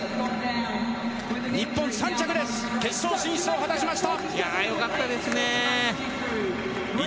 日本３着です、決勝進出を果たしました。